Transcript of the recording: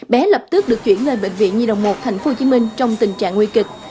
bé lập tức được chuyển lên bệnh viện nhi đồng một tp hcm trong tình trạng nguy kịch